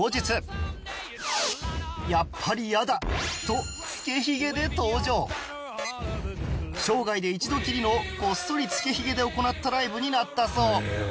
「やっぱり嫌だ！」と生涯で一度きりのこっそりつけヒゲで行ったライブになったそう